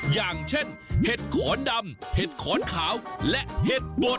อย่างเช่นเห็ดขอนดำเห็ดขอนขาวและเห็ดบด